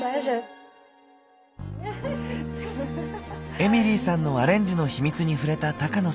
エミリーさんのアレンジの秘密に触れた高野さん。